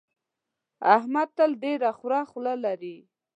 احمد تل ډېره خوره خوله لري.